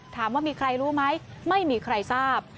ถามว่ามีใครรู้ไหมไม่มีใครทราบ